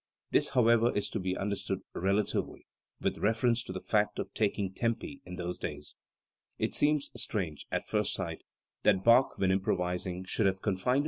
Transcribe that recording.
This however is to be understood relatively, with reference to the way of taking tempi in those days. It seems strange, at first sight, that Bach, when impro vising, should have confined himself to a single theme.